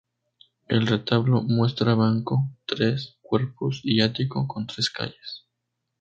El retablo muestra banco, tres cuerpos y ático, con tres calles.